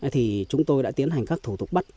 thì chúng tôi đã tiến hành các thủ tục bắt